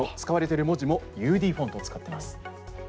使われている文字もＵＤフォントを使っています。